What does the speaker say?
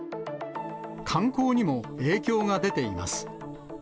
観光にも影響が出ています。